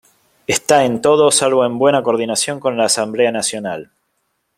Está en todo salvo en buena coordinación con la Asamblea nacional.